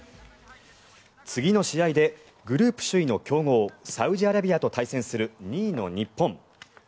次の試合でグループ首位の強豪、サウジアラビアと対戦する２位の日本。